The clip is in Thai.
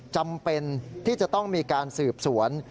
จำเป็นที่จะต้องมีการสืบสวน